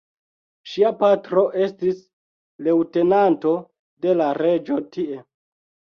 Ŝia patro estis leŭtenanto de la reĝo tie.